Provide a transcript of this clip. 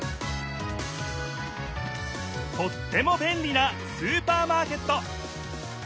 とってもべんりなスーパーマーケット！